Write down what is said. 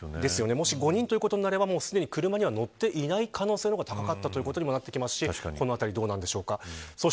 もし５人ということになれば車には乗っていない可能性が高いということになりますしこのあたりどうでしょうか。